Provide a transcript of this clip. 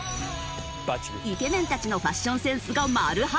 イケメンたちのファッションセンスが丸裸！